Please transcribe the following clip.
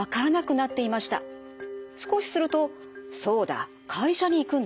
少しすると「そうだ会社に行くんだ。